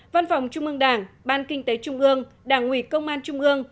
văn phòng trung ương đảng ban kinh tế trung ương đảng ủy công an trung ương